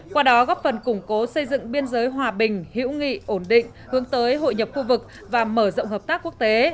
qua đó góp phần củng cố xây dựng biên giới hòa bình hữu nghị ổn định hướng tới hội nhập khu vực và mở rộng hợp tác quốc tế